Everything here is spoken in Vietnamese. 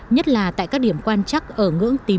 nhất là tại các điểm quan trắc ở ngưỡng tím